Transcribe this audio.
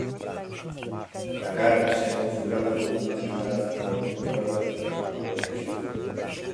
Dakar se ha configurado como una ciudad con un claro atractivo para el turismo.